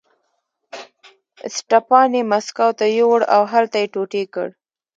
اسټپان یې مسکو ته یووړ او هلته یې ټوټې کړ.